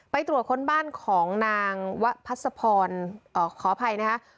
ไปตรวจค้นบ้านของนางวะพัศพรอขออภัยนะคะ